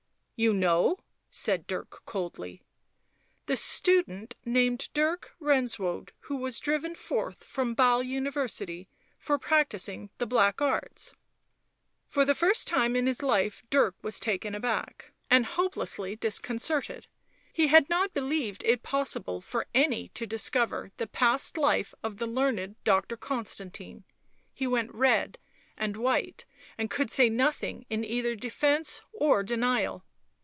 " You know ?" said Dirk coldly. " The student named Dirk Renswoude who was driven forth from Basle University for practising the black arts." For the first time in his life Dirk was taken aback, Digitized by UNIVERSITY OF MICHIGAN Original from UNIVERSITY OF MICHIGAN BLACK MAGIC 89 and hopelessly disconcerted ; he had not believed it possible for any to discover the past life of the learned doctor Constantine ; he went red and white, and could say nothing in either defence or denial.